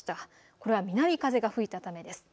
これは南風が吹いたためです。